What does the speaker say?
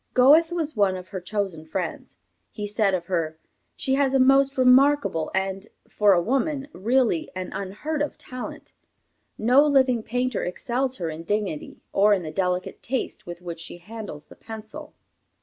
Goethe was one of her chosen friends. He said of her: "She has a most remarkable and, for a woman, really an unheard of talent. No living painter excels her in dignity, or in the delicate taste with which she handles the pencil."